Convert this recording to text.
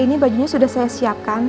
ini bajunya sudah saya siapkan